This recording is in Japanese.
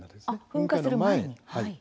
噴火する前です。